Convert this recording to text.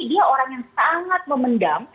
dia orang yang sangat memendam